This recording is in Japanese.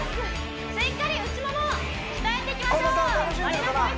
しっかり内もも鍛えていきましょう近藤さん